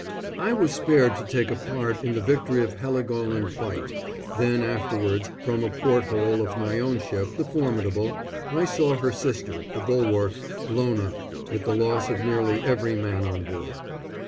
I was spared to take a part in the victory of Heligoland Bight; then afterwards, from a port hole of my own ship, the Formidable, I saw her sister, the Bulwark, blown up, with the loss of nearly every man on board.